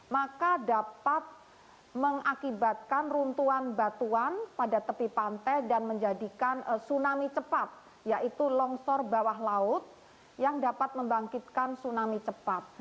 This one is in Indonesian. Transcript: maka dapat mengakibatkan runtuhan batuan pada tepi pantai dan menjadikan tsunami cepat yaitu longsor bawah laut yang dapat membangkitkan tsunami cepat